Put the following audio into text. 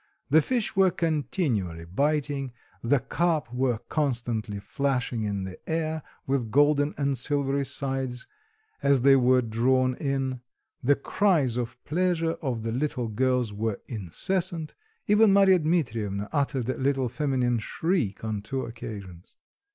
The fish were continually biting, the carp were constantly flashing in the air with golden and silvery sides as they were drawn in; the cries of pleasure of the little girls were incessant, even Marya Dmitrievna uttered a little feminine shriek on two occasions.